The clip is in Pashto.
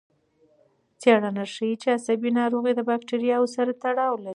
څېړنه ښيي چې عصبي ناروغۍ د بکتریاوو سره تړاو لري.